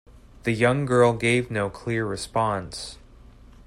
The young girl gave no clear response.